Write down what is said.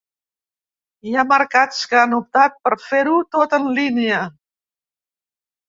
Hi ha mercats que han optat per fer-ho tot en línia.